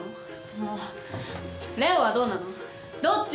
もう礼央はどうなのどっちの味方？